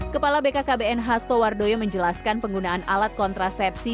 kepala bkkbn hasto wardoyo menjelaskan penggunaan alat kontrasepsi